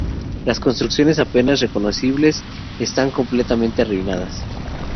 Las construcciones apenas reconocibles y están completamente arruinadas.